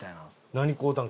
何買うたん？